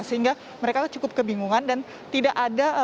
sehingga mereka cukup kebingungan dan tidak ada